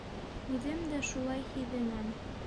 Үҙем дә шулай һиҙенәм...